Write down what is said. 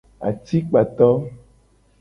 Atikpato.